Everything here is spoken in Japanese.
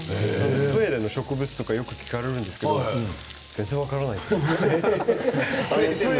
スウェーデンの植物もよく聞かれるんですけど全然、分からなかったんです。